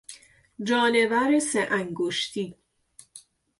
جانور سه انگشتی